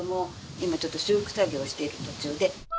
今ちょっと修復作業をしている途中で。